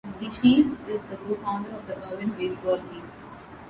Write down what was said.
DeShields is the co-founder of the Urban Baseball League.